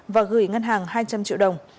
và gửi ngân hàng hai trăm linh triệu đồng